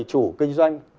chủ kinh doanh